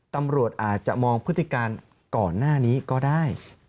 ตำรวจอาจจะมองพฤติการก่อนหน้านี้ก็ได้